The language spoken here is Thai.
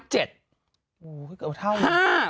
เกือบเท่า